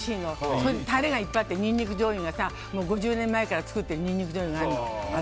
それでタレがいっぱいあって５０年前から作ってるニンニクじょうゆがあるの。